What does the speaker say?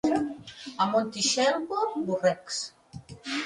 A Montitxelvo, borrecs.